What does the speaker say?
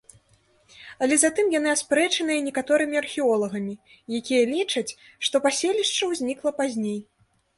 Але затым яны аспрэчаныя некаторымі археолагамі, якія лічаць, што паселішча ўзнікла пазней.